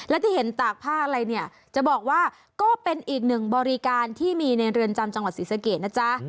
และที่เห็นตากผ้าอะไรเนี่ยจะบอกว่าก็เป็นอีกหนึ่งบริการที่มีในเรือนจำจังหวัดศรีสะเกดนะจ๊ะ